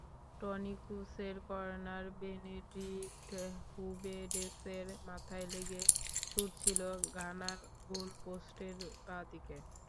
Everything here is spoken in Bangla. টনি ক্রুসের কর্নার বেনেডিক্ট হুভেডেসের মাথায় লেগে ছুটছিল ঘানার গোলপোস্টের বাঁদিকে।